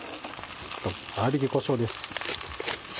粗びきこしょうです。